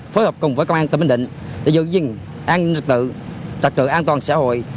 phối hợp cùng với công an tỉnh bình định để giữ gìn an ninh tự tật tự an toàn xã hội